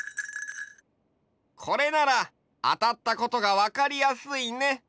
これならあたったことが分かりやすいね！